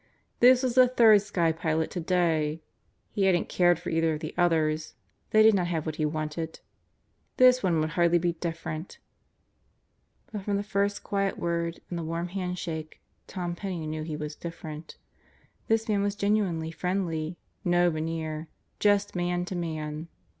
This was the third sky pilot today. He hadn't cared for either of the others. They did not have what he wanted. This one would hardly be different. But from the first quiet word and the warm hand shake Tom Penney knew he was different. This man was genuinely friendly. No veneer. Just man to man.